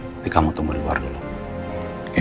nanti kamu tunggu di luar dulu oke